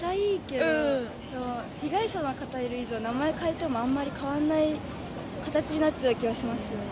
被害者の方いる以上、名前変えてもあんまり変わらない形になっちゃう気はしますよね。